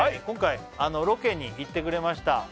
今回ロケに行ってくれました